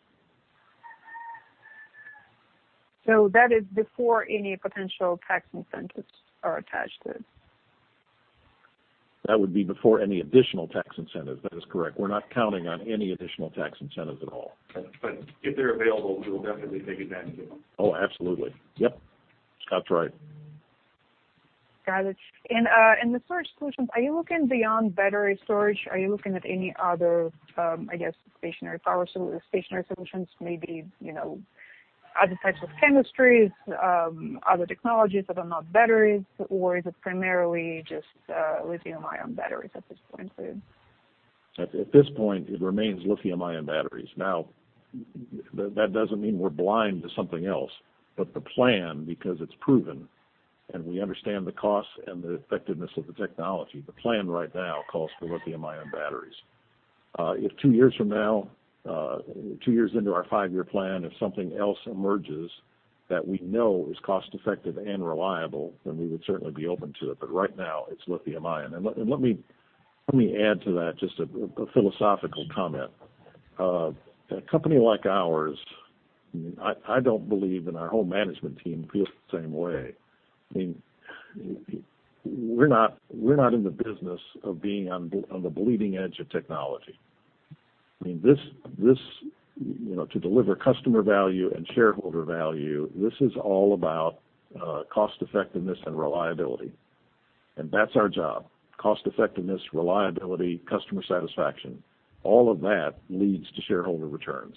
S10: That is before any potential tax incentives are attached to it?
S2: That would be before any additional tax incentives. That is correct. We're not counting on any additional tax incentives at all.
S4: If they're available, we will definitely take advantage of them.
S2: Oh, absolutely. Yep. That's right.
S10: Got it. The storage solutions, are you looking beyond battery storage? Are you looking at any other stationary power solutions, maybe other types of chemistries, other technologies that are not batteries? Is it primarily just lithium-ion batteries at this point for you?
S2: At this point, it remains lithium-ion batteries. That doesn't mean we're blind to something else, the plan, because it's proven and we understand the cost and the effectiveness of the technology, the plan right now calls for lithium-ion batteries. If two years from now, two years into our five-year plan, if something else emerges that we know is cost effective and reliable, we would certainly be open to it. Right now, it's lithium-ion. Let me add to that just a philosophical comment. A company like ours, I don't believe, our whole management team feels the same way. We're not in the business of being on the bleeding edge of technology. To deliver customer value and shareholder value, this is all about cost effectiveness and reliability. That's our job, cost effectiveness, reliability, customer satisfaction. All of that leads to shareholder returns.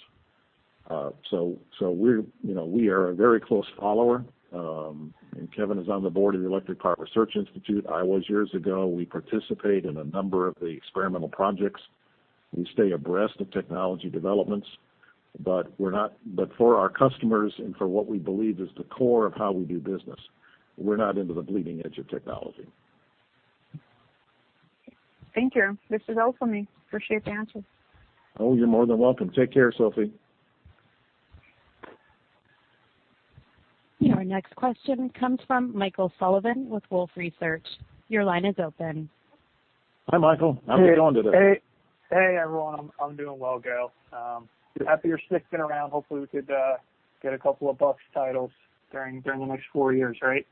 S2: We are a very close follower. Kevin is on the board of the Electric Power Research Institute. I was years ago. We participate in a number of the experimental projects. We stay abreast of technology developments. For our customers and for what we believe is the core of how we do business, we're not into the bleeding edge of technology.
S10: Thank you. This is all for me. Appreciate the answers.
S2: Oh, you're more than welcome. Take care, Sophie.
S1: Our next question comes from Michael Sullivan with Wolfe Research. Your line is open.
S2: Hi, Michael. How's it going today?
S11: Hey, everyone. I'm doing well, Gale. Happy you're sticking around. Hopefully, we could get a couple of Bucks titles during the next four years, right?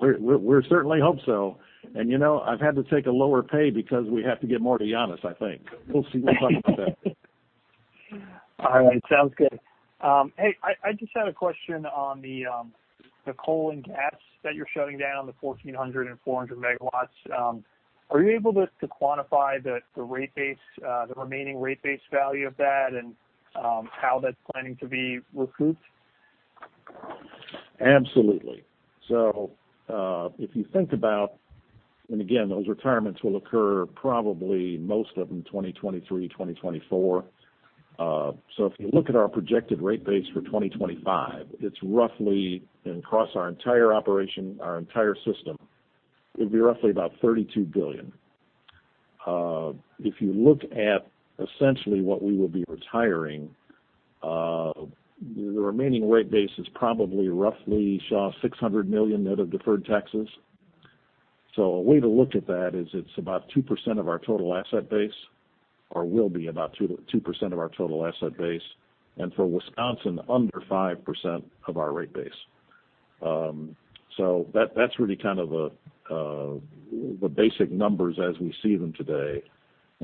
S2: We certainly hope so. I've had to take a lower pay because we have to get more to Giannis, I think. We'll see, we'll talk about that.
S11: All right, sounds good. Hey, I just had a question on the coal and gas that you're shutting down, the 1,400 and 400 MW. Are you able to quantify the remaining rate base value of that, and how that's planning to be recouped?
S2: Absolutely. If you think about, and again, those retirements will occur probably most of them 2023, 2024. If you look at our projected rate base for 2025, it's roughly across our entire operation, our entire system, it'd be roughly about $32 billion. If you look at essentially what we will be retiring, the remaining rate base is probably roughly, Xia, $600 million net of deferred taxes. A way to look at that is it's about 2% of our total asset base, or will be about 2% of our total asset base, and for Wisconsin, under 5% of our rate base.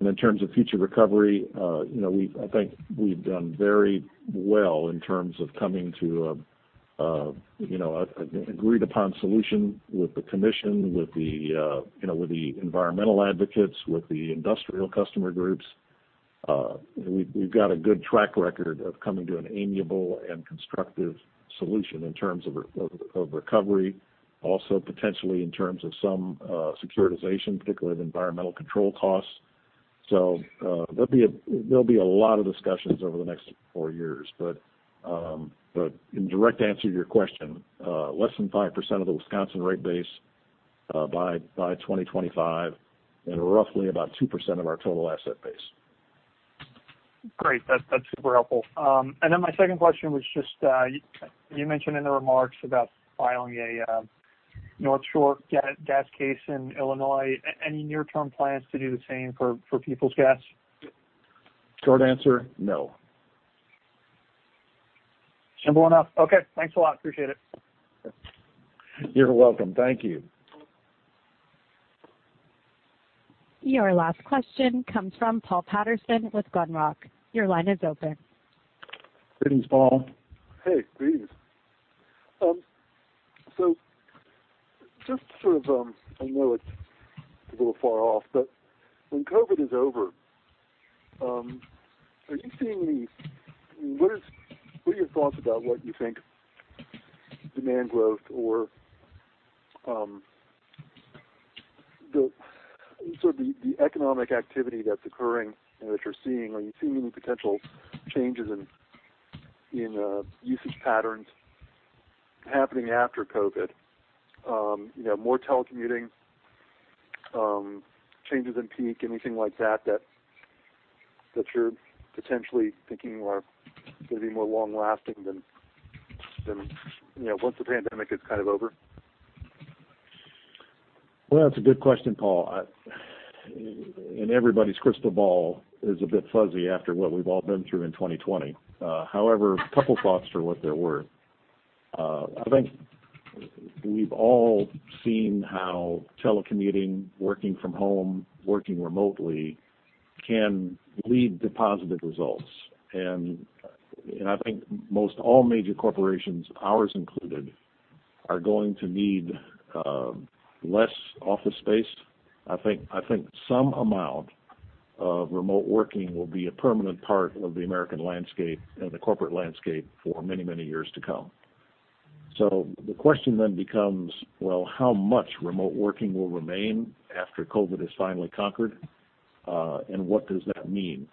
S2: In terms of future recovery, I think we've done very well in terms of coming to an agreed-upon solution with the commission, with the environmental advocates, with the industrial customer groups. We've got a good track record of coming to an amiable and constructive solution in terms of recovery, also potentially in terms of some securitization, particularly of environmental control costs. There'll be a lot of discussions over the next four years. In direct answer to your question, less than 5% of the Wisconsin rate base by 2025, and roughly about 2% of our total asset base.
S11: Great. That's super helpful. Then my second question was just, you mentioned in the remarks about filing a North Shore Gas case in Illinois. Any near-term plans to do the same for Peoples Gas?
S2: Short answer, no.
S11: Simple enough. Okay, thanks a lot. Appreciate it.
S2: You're welcome. Thank you.
S1: Your last question comes from Paul Patterson with Glenrock. Your line is open.
S2: Greetings, Paul.
S12: Hey, greetings. Just sort of, I know it's a little far off, but when COVID is over, what are your thoughts about what you think demand growth or the economic activity that's occurring and that you're seeing? Are you seeing any potential changes in usage patterns happening after COVID? More telecommuting, changes in peak, anything like that you're potentially thinking are going to be more long-lasting than once the pandemic is over?
S2: Well, that's a good question, Paul. Everybody's crystal ball is a bit fuzzy after what we've all been through in 2020. However, a couple thoughts for what they're worth. I think we've all seen how telecommuting, working from home, working remotely can lead to positive results. I think most all major corporations, ours included, are going to need less office space. I think some amount of remote working will be a permanent part of the American landscape and the corporate landscape for many years to come. The question then becomes, how much remote working will remain after COVID is finally conquered? What does that mean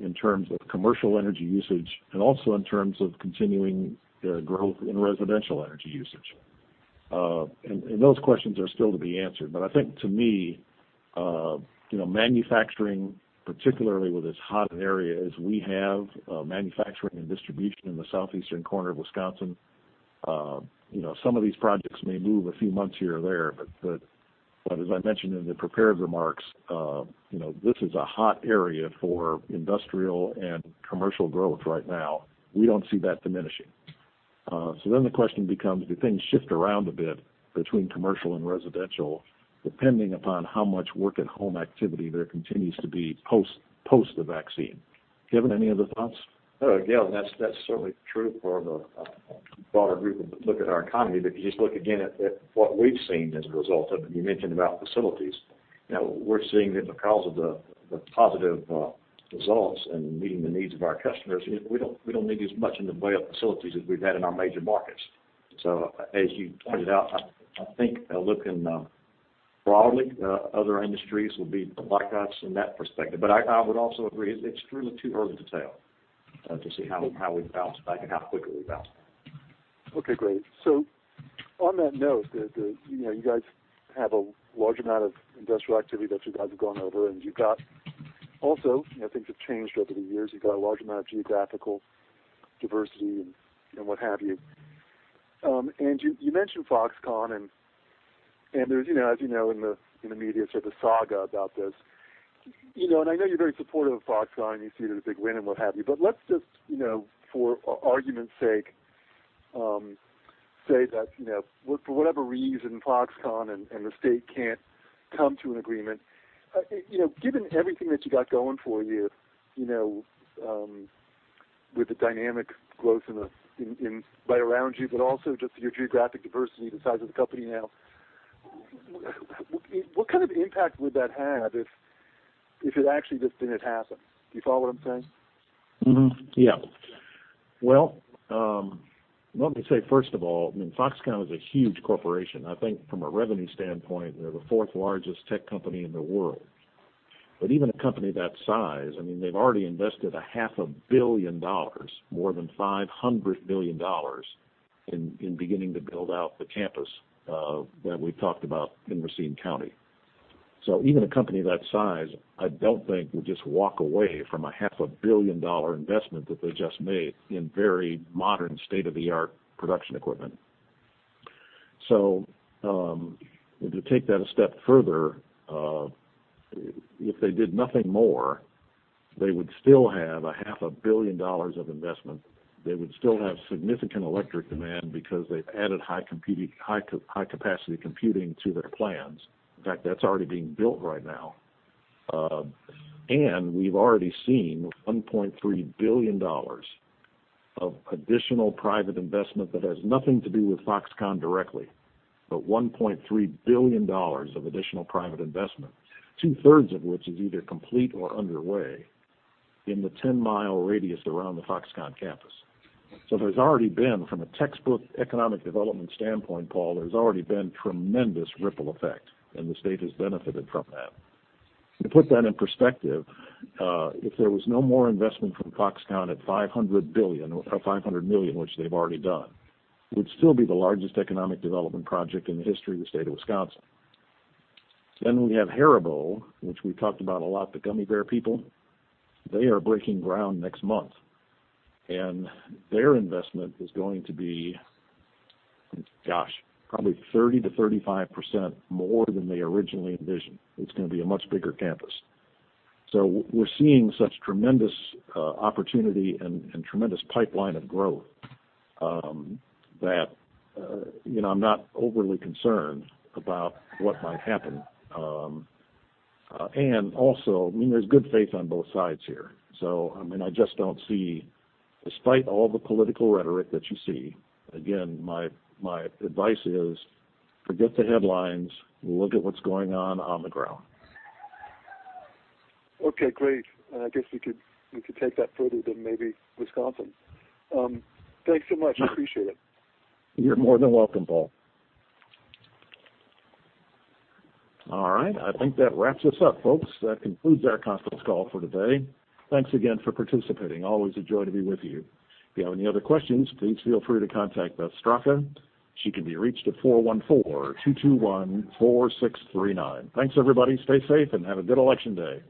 S2: in terms of commercial energy usage and also in terms of continuing growth in residential energy usage? Those questions are still to be answered. I think to me, manufacturing, particularly with as hot an area as we have, manufacturing and distribution in the southeastern corner of Wisconsin, some of these projects may move a few months here or there. As I mentioned in the prepared remarks, this is a hot area for industrial and commercial growth right now. We don't see that diminishing. The question becomes, do things shift around a bit between commercial and residential, depending upon how much work at home activity there continues to be post the vaccine? Kevin, any other thoughts?
S4: No, Gale, that's certainly true for the broader group if you look at our economy. If you just look again at what we've seen as a result of, and you mentioned about facilities. We're seeing that because of the positive results and meeting the needs of our customers, we don't need as much in the way of facilities as we've had in our major markets. As you pointed out, I think looking broadly, other industries will be like us in that perspective. I would also agree, it's truly too early to tell to see how we bounce back and how quickly we bounce back.
S12: Okay, great. On that note, you guys have a large amount of industrial activity that you guys have gone over, and you've got also, things have changed over the years. You've got a large amount of geographical diversity and what have you. You mentioned Foxconn, and as you know, in the media, there's a saga about this. I know you're very supportive of Foxconn, and you see it as a big win and what have you, but let's just for argument's sake, say that, for whatever reason, Foxconn and the state can't come to an agreement. Given everything that you got going for you, with the dynamic growth right around you, but also just your geographic diversity, the size of the company now, what kind of impact would that have if it actually just didn't happen? Do you follow what I'm saying?
S2: Well, let me say, first of all, Foxconn is a huge corporation. I think from a revenue standpoint, they're the fourth largest tech company in the world. Even a company that size, they've already invested a half a billion dollars, more than $500 million, in beginning to build out the campus that we've talked about in Racine County. Even a company that size, I don't think will just walk away from a half a billion dollar investment that they just made in very modern, state-of-the-art production equipment. To take that a step further, if they did nothing more, they would still have a half a billion dollars of investment. They would still have significant electric demand because they've added high-capacity computing to their plans. In fact, that's already being built right now. We've already seen $1.3 billion of additional private investment that has nothing to do with Foxconn directly. $1.3 billion of additional private investment, 2/3 of which is either complete or underway in the 10-mile radius around the Foxconn campus. There's already been, from a textbook economic development standpoint, Paul, there's already been tremendous ripple effect, and the state has benefited from that. To put that in perspective, if there was no more investment from Foxconn at $500 million, which they've already done, it would still be the largest economic development project in the history of the state of Wisconsin. We have Haribo, which we've talked about a lot, the gummy bear people. They are breaking ground next month, and their investment is going to be, gosh, probably 30%-35% more than they originally envisioned. It's going to be a much bigger campus. We're seeing such tremendous opportunity and tremendous pipeline of growth, that I'm not overly concerned about what might happen. Also, there's good faith on both sides here. I just don't see, despite all the political rhetoric that you see, again, my advice is forget the headlines, look at what's going on the ground.
S12: Okay, great. I guess we could take that further than maybe Wisconsin. Thanks so much. I appreciate it.
S2: You're more than welcome, Paul. All right. I think that wraps us up, folks. That concludes our conference call for today. Thanks again for participating. Always a joy to be with you. If you have any other questions, please feel free to contact Beth Straka. She can be reached at 414-221-4639. Thanks, everybody. Stay safe and have a good election day.